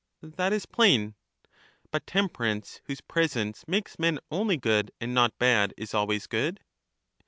That is plain. But temperance, whose presence makes men only good, and not bad, is always good?